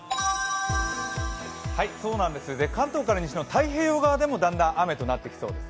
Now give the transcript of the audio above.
そうなんです、関東から西の太平洋側でもだんだん雨となってきそうです。